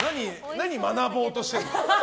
何、学ぼうとしてるの？